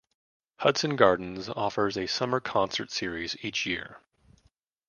Hudson Gardens offers a summer concert series each year.